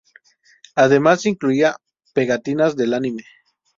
Además incluía pegatinas del anime.